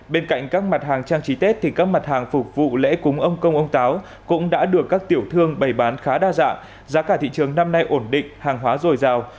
bên cạnh các mặt hàng trang trí tết thì các mặt hàng phục vụ lễ cúng ông công ông táo cũng đã được các tiểu thương bày bán khá đa dạng giá cả thị trường năm nay ổn định hàng hóa dồi dào